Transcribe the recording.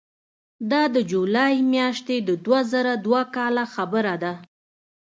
دا د جولای میاشتې د دوه زره دوه کاله خبره ده.